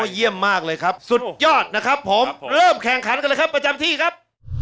เยี่ยมมากเลยครับสุดยอดนะครับผมเริ่มแข่งขันกันเลยครับประจำที่ครับ